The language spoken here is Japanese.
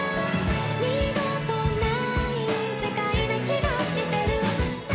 「二度とない世界な気がしてる」